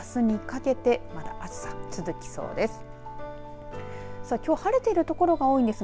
あすにかけてまだ暑さ続きそうです。